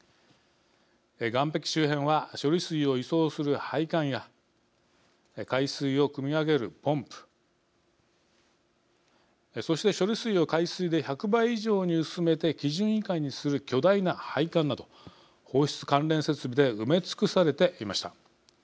岸壁周辺は処理水を移送する配管や海水をくみ上げるポンプそして、処理水を海水で１００倍以上に薄めて基準以下にする巨大な配管など放出関連設備で埋め尽くされていました。